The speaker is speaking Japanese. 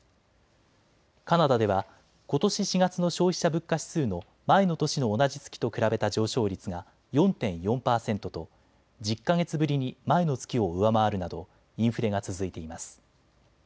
カナダではことし４月の消費者物価指数の前の年の同じ月と比べた上昇率が４．４％と１０か月ぶりに前の月を上回るなどインフレが続いています。